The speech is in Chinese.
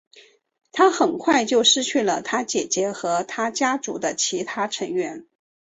他很快就失去了他姐姐和他家族的其他成员。